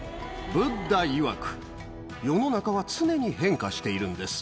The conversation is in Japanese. ブッダいわく、世の中は常に変化しているんです。